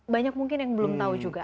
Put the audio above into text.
banyak mungkin yang belum tahu juga